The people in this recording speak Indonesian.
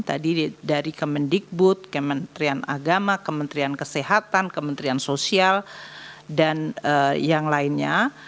tadi dari kemendikbud kementerian agama kementerian kesehatan kementerian sosial dan yang lainnya